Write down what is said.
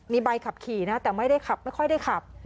มีใบขับขี่นะแต่ไม่ได้ขับไม่ค่อยได้ขับ